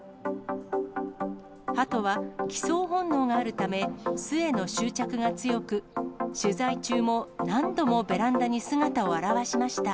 ハトは帰巣本能があるため、巣への執着が強く、取材中も何度もベランダに姿を現しました。